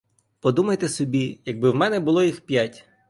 Подумайте собі, якби в мене було їх п'ять!